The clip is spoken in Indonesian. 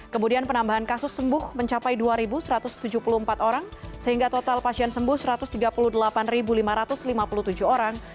kemudian penambahan kasus sembuh mencapai dua satu ratus tujuh puluh empat orang sehingga total pasien sembuh satu ratus tiga puluh delapan lima ratus lima puluh tujuh orang